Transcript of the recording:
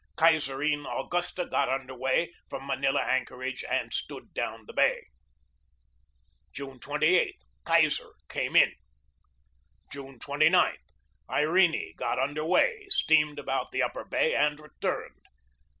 Kaiserin Augusta got under way from Ma nila anchorage and stood down the bay. "June 28 Kaiser came in. "June 29 Irene got under way, steamed about the upper bay and returned.